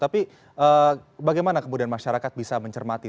tapi bagaimana kemudian masyarakat bisa mencermati